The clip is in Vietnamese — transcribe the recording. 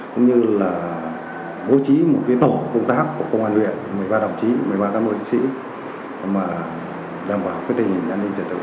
cũng như là bố trí một cái tổ công tác của công an huyện một mươi ba đồng chí một mươi ba căn bộ chính sĩ mà đảm bảo cái tình hình an ninh trật tự